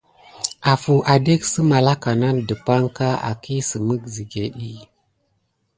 Afuw adek sə malaka nan depanka, akisəmek zəget.